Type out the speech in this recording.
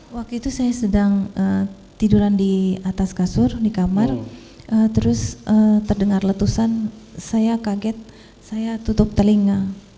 waktu itu saya sedang tiduran di atas kasur di kamar terus terdengar letusan saya kaget saya tutup telinga